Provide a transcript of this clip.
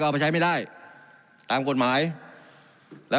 การปรับปรุงทางพื้นฐานสนามบิน